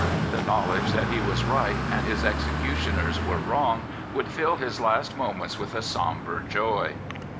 The knowledge that he was right and his executioners were wrong would fill his last moments with a sombre joy.